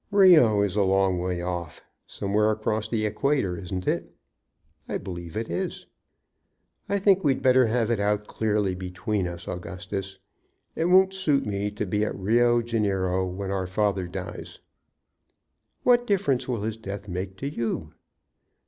"Rio is a long way off, somewhere across the equator, isn't it?" "I believe it is." "I think we'd better have it out clearly between us, Augustus. It won't suit me to be at Rio Janeiro when our father dies." "What difference will his death make to you?"